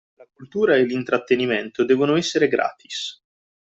La cultura e l’intrattenimento devono essere gratis